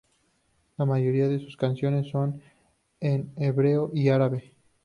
La mayoría de sus canciones son en hebreo y árabe.